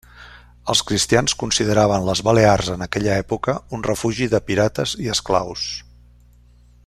Els cristians consideraven les Balears en aquella època un refugi de pirates i esclaus.